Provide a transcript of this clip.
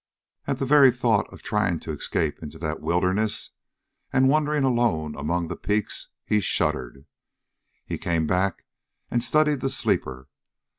At the very thought of trying to escape into that wilderness and wandering alone among the peaks, he shuddered. He came back and studied the sleeper.